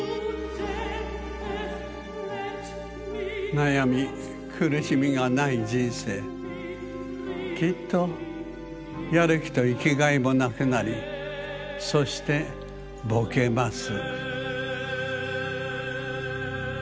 「悩み苦しみがない人生きっとやる気と生き甲斐もなくなりそしてボケます」。